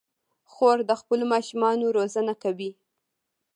خور د خپلو ماشومانو روزنه کوي.